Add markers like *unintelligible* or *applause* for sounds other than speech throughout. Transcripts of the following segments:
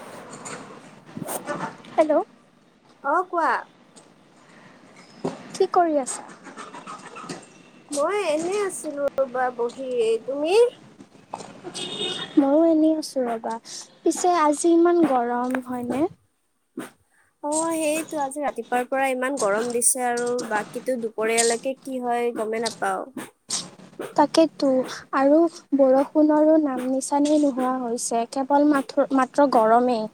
*inaudible* Hello, অ, কোৱা? কি কৰি আছা? মই এনে আছিলো ৰবা বহি, তুমি? ময়ো এনেই আছো ৰবা পিছে আজি ইমান গৰম হয়নে? *inaudible* অ, সেইটো আজি ৰাতিপুৱাৰ পৰা ইমান গৰম দিছে আৰু বাকী দুপৰীয়ালৈকে কি হয়? গমেই নাপাও। তাকেতো আৰু বৰষুণৰো নাম নিচানেই নোহোৱা হৈছে। কেৱল মাথ মাত্ৰ গৰমেই।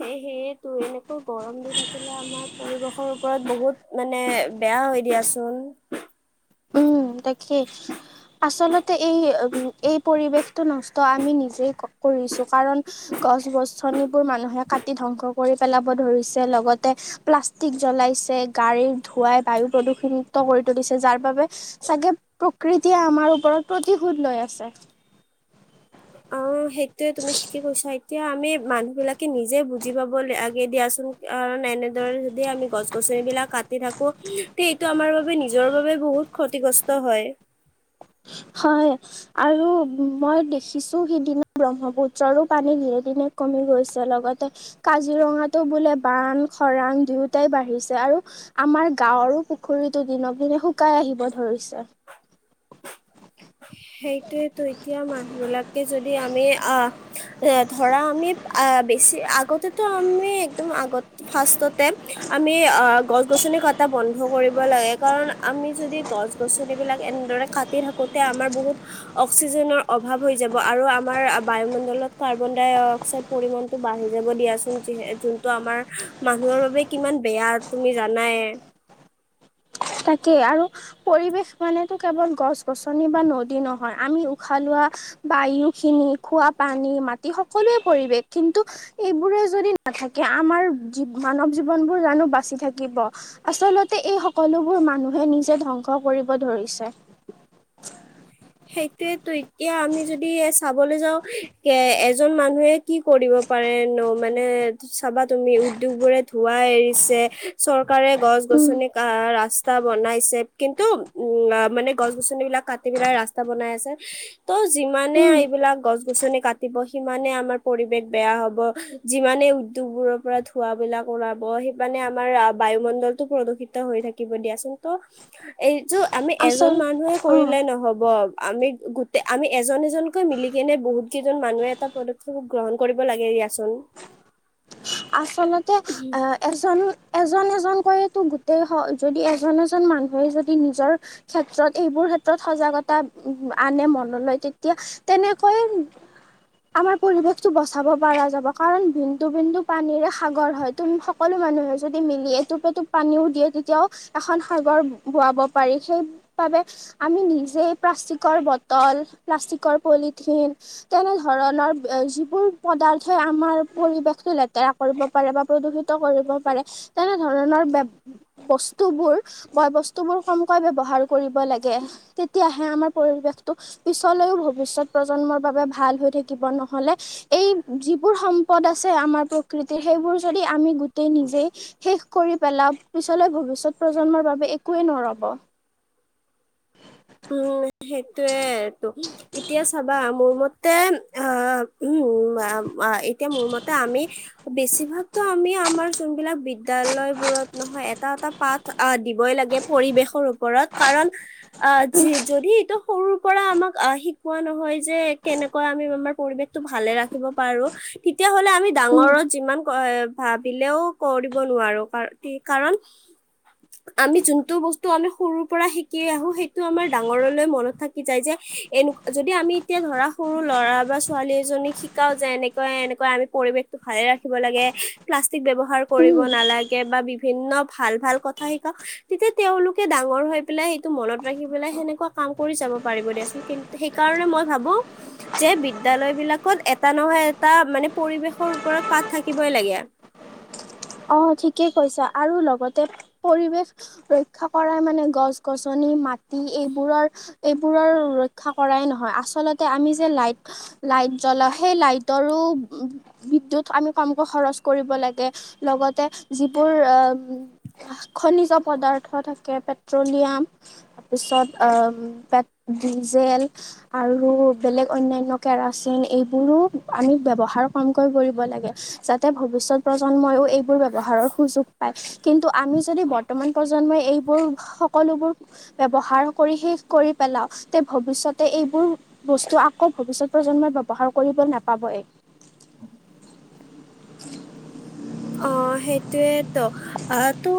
সেহেয়েতো এনেকৈ গৰম দি থাকিলে আমাৰ পৰিৱেশৰ ওপৰত বহুত মানে, এয়া হৈ দিয়াচোন। উম, তাকেই আচলতে এই উ এই পৰিৱেশটো নষ্ট আমি নিজেই কৰিছো কাৰণ, গছ গছনিবোৰ মানুহে কাটি ধ্বংস কৰি পেলাব ধৰিছে। লগতে প্লাষ্টিক জ্বলাই, ছে গাড়ীৰ ধোৱাই বায়ু প্ৰদূষণ মুুক্ত কৰি তুলিছে যাৰ বাবে। চাগে প্ৰকৃতিয়ে আমাৰ ওপৰত প্ৰতিশোধ লৈ আছে। অ, সেইটোয়ে তুমি ঠিকে কৈছা এতিয়া। এতিয়া আমি মানুহ বিলাকে নিজে বুজি পাবলৈ আগে দিয়াচোন কাৰণ এনেদৰে যদি হে আমি গছ গছনি সেই বিলাক কাটি থাকো সটো আমাৰ বাবে নিজৰ বাবে বহুত ক্ষতিগ্ৰস্ত হয়। হয়। আৰু মই দেখিছো সিদিনা ব্ৰহ্মপুত্ৰৰো পানী দিনে দিনে কমি গৈছে লগতে কাজিৰঙাতো বোলে বান খৰাং দুয়োটাই বাঢ়িছে। আৰু আমাৰ গাঁওৰ পুখুৰীতো দিনক দিনে শুকাই আহিব ধৰিছে। সেইটোয়েতো এতিয়া মানুহ বিলাকে যদি আমি আহ এ ধৰা আমি *inaudible* এটা বন্ধ কৰিব লাগে, কাৰণ আমি যদি গছ গছনি বিলাক এনেদৰে কাটি থাকোতে অক্সিজেনৰ অভাব হৈ যাব, আৰু আমাৰ বায়ুমণ্ডত কাৰ্বন ডাই অক্সাইড পৰিমাণ টো বাঢ়ি যাব দিয়াচোন। যি যোনটো আমাৰ মানুহৰ বাবে কিমান বেয়া তুমি জানাই? উ *unintelligible* তাকেই আৰু পৰিৱেশ মানেতো কেৱল গছ গছনি বা নদী নহয়। আমি উশাহ লোৱা বায়ু খিনি খোৱা পানী মাটি সকলো পৰিৱেশ। কিন্তু এইবোৰে যদি নাথাকে আমাৰ মানৱ জীৱন বোৰ জানো বাচি থাকিব? আচলতে এই সকলোবোৰ মানুহে নিজে ধ্বংস কৰিব ধৰিছে। সেইটোয়ো এতিয়া আমি যদি চাবলৈ যাও কে এজন মানুহে কি কৰিব মানে চাবা তুমি উদ্যোগ বোৰে ধোৱা এৰিছে ৰকাৰে গছ উম গছনি ৰাস স্তা বনাইছে কিন্তু উম মানে গছ গছনিবিলাক কাটি পেলাই ৰাস্ বনাই আছে ত' যিমানে উম এইবিলাক গছ গছনি কাটিব সিমানে আমাৰ পৰিবেশ বেয়া হব যিমানে উদ্যোগ বোৰৰ পৰা ধুৱা বিলাক ওলাব সিমানে আমাৰ বায়ুমণ্ডলটো প্ৰদূষিত হৈ থাকিব দিয়াচোন ত' এইযো আমি এজন আচল মানুহে অ কৰিলে নহব। আমি গোটেই আমি এজন এজনকৈ মিলি কিনে বহুত কেইজন মানুহে এটা পদক্ষেপ গ্ৰহণ কৰিব লাগে। দিয়া চোন। আচলতে আহ, এজন এজন এজন এজনকৈয়েতো গোটেই স যদি এজন, এজন মানুহে যদি নিজৰ ক্ষেত্ৰত এইবোৰ ক্ষেত্ৰত সজাগতা আনে মনলৈ তেতিয়া তেনেকৈ আমাৰ পৰিৱেশটো বচাব পৰা যাব। কাৰণ বিন্দু বিন্দু পানীৰে সাগৰ হয়, তুম সকলো মানুহে যদি মিলি এটোপ এটোপ পানীও দিয়ে তেতিয়াও এখন সাগৰ ব *inaudible* ৰ পলিথিন, তেনেধৰণৰ যিবোৰ পদাৰ্থ আমাৰ পৰিৱেশতো লে ৰা কৰিব পাৰে বা প্ৰদূষিত কৰিব পাৰে। তেনেধৰণৰ ব বস্তুবোৰ বয় বস্তু বোৰ কমকৈ ব্যৱহাৰ কৰিব লাগে। তেতিয়াহে আমাৰ পৰিৱেশতটো পিছলৈও ভৱিষ্যত প্ৰজন্মৰ বাবে ভাল হৈ থাকিব। নহ'লে এই যিবোৰ সম্পদ আছে আমাৰ কৃতিৰ সেইবোৰ যদি আমি গোটেই নিজেই শেষ কৰি পেলাও, পিছলে ভৱিষ্যত প্ৰজন্মৰ বাবে একোৱেই নৰব। উম, সেইটোয়েটো এতিয়া চাবা মোৰ মতে অ' উম উম, আ, আ, এতিয়া মোৰ মতে আমি বেছিভাগতো আমি আমাৰ যোনবিলাক বিদ্যালয় *unintelligible* বোৰত নহয় এটা, এটা পাঠ আহ, দিবই লাগে পৰিৱেশৰ ওপৰত, কাৰণ আ জি যদি এইটো সৰুৰ পৰা আমাক অ' শিকোৱা নহয় যে, কেনেকৈ আমি আমাৰ পৰিৱেশতটো ভালে ৰাখিব পাৰো। তেতিয়াহ'লে আমি উম ডাঙৰত যিমান *unintelligible* ভাবিলেও কৰিব নোৱাৰো, কা-কাৰণ আমি যোনটো বস্তু আমি সৰুৰ পৰা শিকি আহো সেই আমাৰ ডাঙৰলৈ মনত থাকি যায় যে, এনে যদি আমি এতিয়া ধৰা সৰু ল'ৰা বা ছোৱালী এজ *unintelligible* শিকাওঁ যে এনেকুৱা এনেকুৱা, আমি পৰিৱেশটো ভালে ৰাখিব লাগে। প্লাষ্টিক ব্যৱহাৰ কৰিব উম নালা গে বা বিভিন্ন ভাল ভাল কথা শিকাও, তেতিয়া তেওঁলোকে ডাঙৰ হৈ পেলাই সেইটো মনত ৰাখি পেলাই সেনেকুৱা কাম কৰি যাব পাৰিব দিয়াচোন, কিন্তু সেইকাৰণে মই ভাবোঁ যে বিদ্যালয় *unintelligible* বিলাকত এটা নহয় এটা মানে পৰিৱেশৰ ওপৰত পাত থাকিবই লাগে। অ', ঠিকে কৈছা আৰু লগতে পৰিৱেশ ৰক্ষা কৰাই মানে গছ গছন *unintelligible* মাটি এইবোৰৰ, এইবোৰৰ ৰক্ষা কৰাই নহয়, আচলতে আমি যে লাইট লাইট জ্বলা সেই লাইটৰো উম, বিদ্যুত আমি কমকৈ খৰচ কৰিব লাগে। লগতে যিবোৰ অ' খনিজ পদাৰ্থ থাকে, পেট্ৰলিয়াম তাৰপিছত অম, তাত ডিজেল আৰু বেলেগ অন্যান্য কেৰাচিন এইবোৰো আমি ব্যৱহাৰ কমকৈ কৰিব লাগে যাতে ভৱিষ্যত প্ৰজন্মইও এইবোৰ ব্যৱহাৰৰ সুযোগ পায় কিন্তু আমি যদি বৰ্তমান প্ৰজন্মই এইবোৰ সকলোবোৰ। ব্যৱহাৰ কৰি শেষ কৰি পেলাও তে ভৱিষ্যতে এইবোৰ বস্তু আকৌ ভৱিষ্যত প্ৰন্ম- জম ব্যৱহাৰ কৰিব নাপাবই। অ সেইটোয়েতো অ তো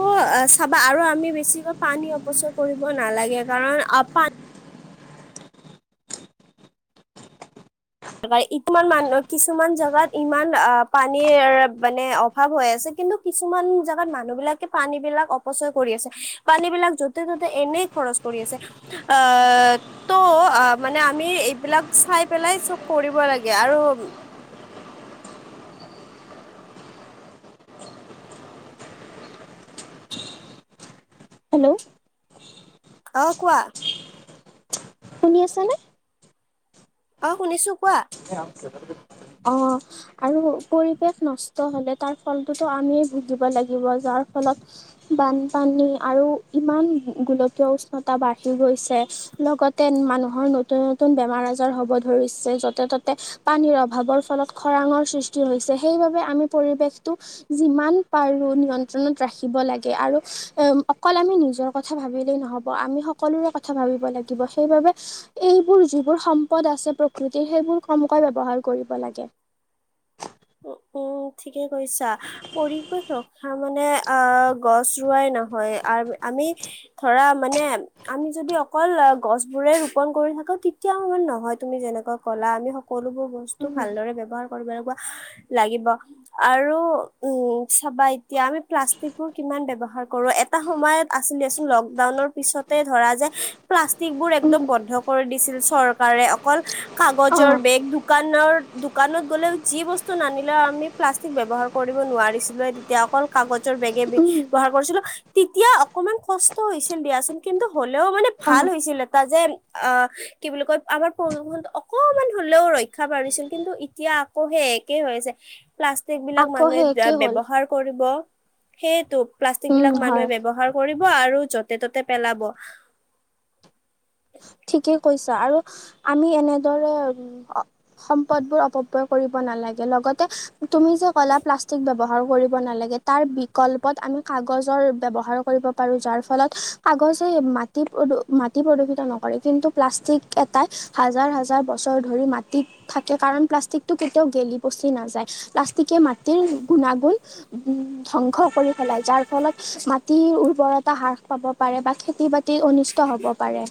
চাবা আৰু আমি বেছিকৈ পানী অপচয়, কৰিব নালাগে কাৰণ অ পা *inaudible* ইছমান মানুহ কিছুমান জাগাত ইমান অ পানীৰ মানে অভাৱ হৈ আছে। কিন্তু কিছুমান জাগাত মানুহ বিলাকে পানী বিলাক অপচয় কৰি আছে পানী বিলাক য'তে ত'তে এনেই, খৰচ কৰি আছে অ ত' মানে আমি এইবিলাক চাই পেলাই চব, কৰিব লাগে আৰু হেল্ল', আহ কোৱা। শুনি আছা নে। অ শুনিছোঁ কোৱা। অ আৰু পৰিৱেশ নষ্ট হ'লে তাৰ ফলটোতো আমিয়ে। *unintelligible* যাৰ ফলত, বানপানী আৰু ইমান গোলকীয় উষ্ণতা বাঢ়ি গৈছে, লগতে- মানুহৰ নতুন নতুন বেমাৰ আজাৰ হ'ব ধৰিছে যতে- ততে পানীৰ অভাৱৰ ফলত খৰাঙৰ সৃষ্টি হৈছে সেইবাবে আমি পৰিৱেশটো যি। যিমান পাৰো নিয়ন্ত্ৰণত ৰাখিব লাগে আৰু অকল আমি নিজৰ কথা ভাবিলেই নহব। আমি সকলোৰে কথা ভাবিব লাগিব সেইবাবে এইবোৰ যিবোৰ সম্পদ আছে প্ৰকৃত। ই সেইবোৰ কমকৈ ব্যৱহাৰ কৰিব লাগে। উ উম ঠিকে কৈছা, পৰিৱেশ ৰক্ষা- তাৰ মানে অ গছ ৰোৱাই নহয় অ আমি ধৰা মানে আমি যদি অকল গছ বোৰে ৰোপন কৰি থাকা তেতিয়াও নহয়, তুমি যেনেকুৱা ক'লা আমি - সকলোবোৰ বস্তু উম ভালদৰে ব্যৱহাৰ কৰিব লাগিব *inaudible* লাগিব আৰু উম চাবা এতিয়া আমি প্লাষ্টিক বোৰ কিমান ব্যৱহাৰ কৰোঁ। এটা সময়ত আছিলেচোন লকডাউনৰ পিছতে ধৰা যে প্লাষ্টিক বোৰ উম একদম বন্ধ কৰি দিছিল চৰকাৰে অকল অ কাগজৰ বেগ দোকানৰ দোকানত গ'লেও যি বস্তু নানিলেও আমি প্লাষ্টিক বব্যৱহাৰ কৰিব নোৱাৰিছিলৱে তেতিয়া অকল কাগজৰ বেগে দি উম গুৱা কৰিছিলো তেতিয়া অকমান কষ্ট হৈছিল দিয়াচোন কিন্তু হ'লেও মানে অ ভাল হৈছিল এটা যে আহ কি বুলি কয় আমাৰ প্ৰদূষণটো অকমান হলেও ৰক্ষা পৰিছিল কিন্তু এতিয়া- আকৌ সেই একে হৈছে প্লাষ্টিক বিলাক আকৌ মানুহে সেই একেই হ'ল ব্যৱহাৰ কৰিব। সেইটো প্লাষ্টিক উম বিলাক হয় মানুহে ব্যৱহাৰ কৰিব। খোৱা আৰু য'তে ত'তে পেলাব। ঠিকেই কৈছা আৰু আমি এনেদৰে সম্পদবোৰ অপব্যয় কৰিব নালাগে লগ তে তুমি যে ক'লা' প্লাষ্টিক ব্যৱহাৰ কৰিব নেলাগে, তাৰ বিকল্পত আমি কাগজৰ ব্যৱহাৰ কৰিব পাৰো যাৰ ফলত কাগজে মাটি প্ৰদু মাটি প্ৰদূষিত নকৰে। কিন্তু প্লাষ্টিক এটাই হাজাৰ হাজাৰ বছৰ ধৰি মাটিত থাকে, কাৰণ প্লাষ্টিকটো কেতিয়াও গে- গেলি -পচি নাযায় প্লাষ্টিকে মাটিৰ গুণাগুণ ধ্বংস কৰি পেলাই, যাৰ ফলত- মাটিৰ উৰ্বৰতা হ্ৰাস পাব পাৰে বা খেতি বাতি অনিষ্ট হ'ব পাৰে।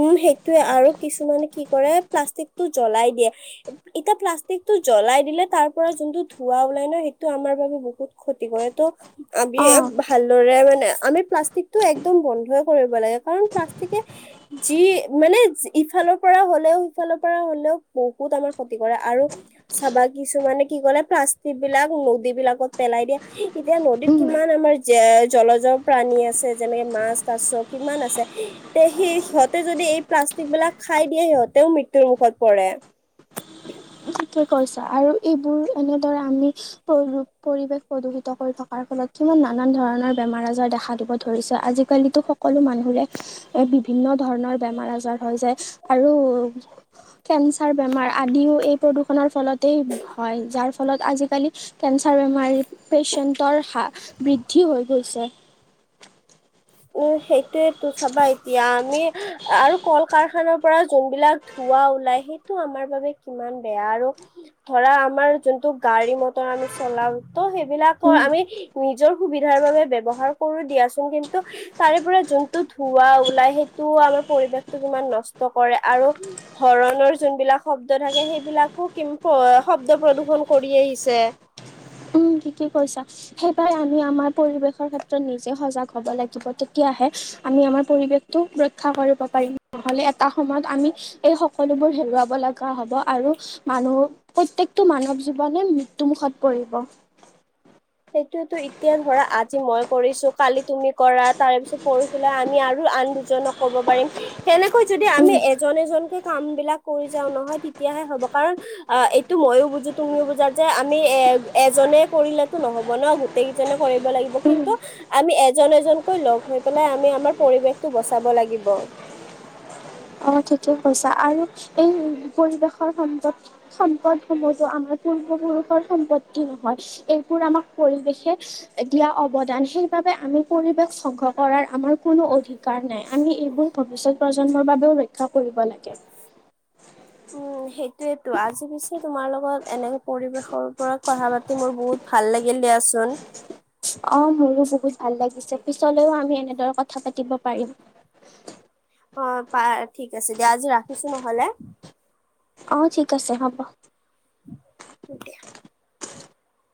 উম সেইটোৱে আৰু কিছুমানে কি কৰে প্লাষ্টিকটো জ্বলাই দিয়ে এতিয়া প্লাষ্টিক টো জ্বলাই দিলে তাৰ পৰা যোনটো ধোৱা ওলাই ন সেইটো আমাৰ বাবে বহুত ক্ষতি কৰে ত'- আমি অ ভালদৰে মানে আমি প্লাষ্টিক টো একদম বন্ধই কৰিব লাগে, কাৰণ প্লাষ্টিকে যি মানে ইফালৰ পৰা হ'লেও সিফালৰ পৰা হ'লেও বহুত আমাৰ ক্ষতি কৰে আৰু- চাবা কিছুমানে কি কৰে প্লাষ্টিক বিলাক নদী বিলাকত পেলাই দিয়ে। এতিয়া নদীত উম, কিমান আমাৰ- যে জলজৰ প্ৰাণী আছে যেনেকে মাছ কাছ কিমান আছে, তে সেই সিহঁতে যদি এই প্লাষ্টিক বিলাক খাই দিয়ে সিহঁতেও মৃত্যুৰ মুখত পৰে। ঠিকে কৈছ, আৰু এইবোৰ এনেদৰে আমি পৰি-পৰিৱেশ প্ৰদূষিত কৰি থকাৰ ফলত কিমান নানান ধৰণৰ বেমাৰ আজাৰ দেখা দিব ধৰিছে, আজিকালিতো সকলো মানুহৰে এ বিভিন্ন ধৰণৰ বেমাৰ আজাৰ হৈ যায়, আৰু কেঞ্চাৰ বেমাৰ আদিও এই প্ৰদূষণৰ ফলতেই হয়, যাৰ ফলত আজিকালি কেঞ্চাৰ বেমাৰী পেচেন্টৰ হা বৃদ্ধি হৈ গৈছে। উম, সেইটোৱেতো চাবা এতিয়া আমি আৰু কল কাৰখানাৰ পৰা যোনবিলাক ধো ধোৱা ওলাই সেইটো আমাৰ বাবে কিমান বেয়া আৰু, ধৰা আমাৰ যোনটো গাড়ী মটৰ আমি চলাও ত' সেইবিলাকৰ উম, আমি নিজৰ সুবিধাৰ বাবে ব্যৱহাৰ কৰো দিয়াচোন কিন্ত ত তাৰে পৰা যোনটো ধৱা ওলাই সেইটো আমাৰ পৰিৱেশটো কিমান নষ্ট কৰে আৰু হৰণৰ যোনবিলাক শব্দ থাকে সেইবিলাকো কিম্প শব্দ প্ৰদূ্ষন কৰি আহিছে। *unintelligible* তুমি ঠিকে কৈছা, সেইবাৰ আমি আমাৰ পৰিৱেশৰ ক্ষেত্ৰত নিজে সজাগ হব লাগিব তেতিয়াহে আমি আমাৰ পৰিৱেশটো ৰক্ষা কৰিব পাৰিম, নহলে এটা সময়ত আমি এই সকলোবোৰ হেৰুৱাব লগা হব, আৰু মানুহ প্ৰত্যেকটো মানৱ জীৱনে মৃত্যুমুখত পৰিব। সেইটোতো এতিয়া ধৰা আজি মই কৰিছো কালি তুমি কৰা তাৰ পিছত পৰখিলা আমি আৰু আন দুজনক ক'ব পাৰিম, সেনেকৈ যদি উম আমি এজন এজনকে কাম বিলাক কৰি যাও নহয় তেতিয়াহে হ'ব কাৰণ অ, এইটো ময়ো বুজো তুমিও বুজা যে আমি এ এজনে কৰিলেত তো নহব ন গোটেই কেইজনে কৰিব লাগিব, কিন্তু আমি এজন-এজনকৈ লগ হৈ পেলাই আমি আমাৰ প পৰিৱেশটো বচাব লাগিব। *inaudible* অ ঠিকেই কৈছা আৰু এই পৰিৱেশৰ সম্পদ সম্পদ সমূহো আমাৰ পু পূ্ৰ্বপুৰুষৰ সম্পত্তি নহয়, এইবোৰ আমাক পৰিৱেশে দিয়া অৱদান সেইবাবে আমি পৰিৱেশ ধংস কৰাৰ আমাৰ কোনো অধিকাৰ নাই। আমি এইবোৰ ভৱিষ্যত প্ৰজন্মৰ বাবেও ৰক্ষা কৰিব লাগে। এইটোৱেইতো, আজি পিছে তোমাৰ লগত এনে পৰিৱেশৰ ওপৰত কথা পাতি মোৰ বহুত ভাল লাগিল দিয়াচোন। অ', মোৰো বহুত ভাল লাগিছে পিছলৈও আমি এনেদৰে কথা পাতিব পাৰিম। *inaudible* অ', পাৰ ঠিক আছে দিয়া, আজি ৰাখিছো নহলে। অ', ঠিক আছে হ'ব। *unintelligible*